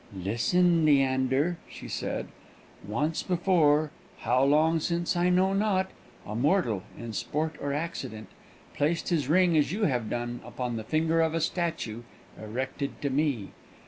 "Listen, Leander," she said. "Once before how long since I know not a mortal, in sport or accident, placed his ring as you have done upon the finger of a statue erected to me.